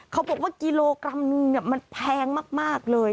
เขาบอกว่ากิโลกรัมนึงมันแพงมากเลย